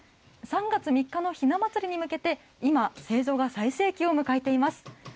３月３日のひな祭りに向けて、今、製造が最盛期を迎えています。